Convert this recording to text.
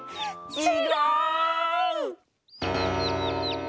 ちがう！